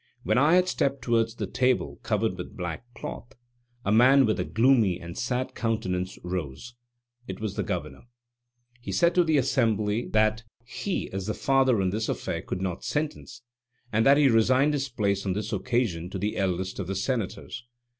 When I had stepped towards the table covered with black cloth, a man with a gloomy and sad countenance rose; it was the Governor. He said to the assembly that he as the father in this affair could not sentence, and that he resigned his place on this occasion to the eldest of the Senators.